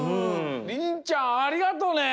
りんちゃんありがとね！